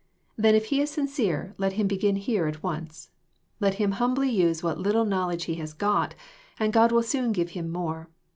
Then if he is sincere, let him begin here at once. /Let him humbly usgs what little knowl edge he has got, and God will soon give him more.